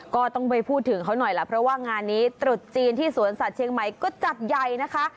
ก็ต้องไปพูดถึงเขาหน่อยล่ะเพราะว่างานนี้ตรุษจีนที่สวนสัตว์เชียงใหม่ก็จัดใหญ่นะคะ